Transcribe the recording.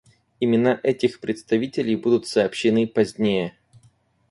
Имена этих представителей будут сообщены позднее.